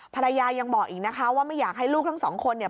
ภรรยายังบอกอีกนะคะว่าไม่อยากให้ลูกทั้งสองคนเนี่ย